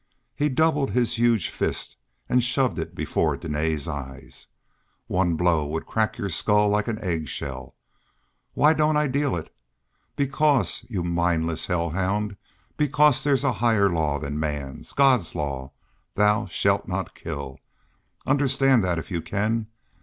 He doubled his huge fist and shoved it before Dene's eyes. "One blow would crack your skull like an egg shell. Why don't I deal it? Because, you mindless hell hound, because there's a higher law than man's God's law Thou shalt not kill! Understand that if you can.